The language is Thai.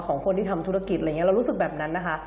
ของคนที่ทำธุรกิจเรารู้สึกแบบนั้นนะคะ